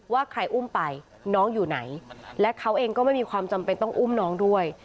ว่าใครอุ้มไปน้องอยู่ไหนและเขาเองก็ไม่มีความจำเป็นต้องอุ้มน้องด้วย